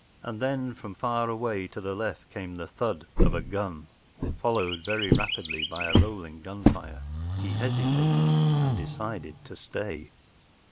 And then from far away to the left came the thud of a gun, followed very rapidly by a rolling gun fire. L He hesitated and decided to stay.